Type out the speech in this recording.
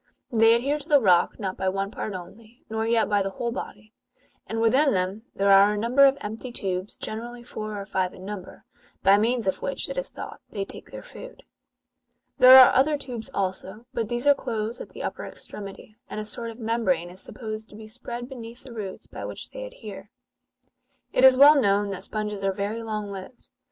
They adhere to the rock not by one part only, nor yet by the whole body : and within them there are a number of empty tubes, generally four or five in number, by means of which, it is thought, they take their food. There are other tubes also, but these are closed at the upper extremity ; and a sort of membrane is supposed to be spread beneath the roots by which they adhere. It is well known that sponges are very long lived.